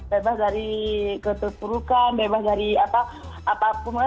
bebas dari ketutup rukan bebas dari apapun